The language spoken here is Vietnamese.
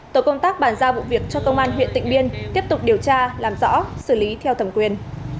tổ công tác bàn giao vụ việc cho công an huyện tịnh biên tiếp tục điều tra làm rõ xử lý theo thẩm quyền